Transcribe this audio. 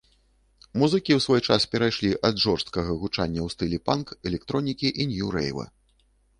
Музыкі ў свой час перайшлі ад жорсткага гучання ў стылі панк, электронікі і нью-рэйва.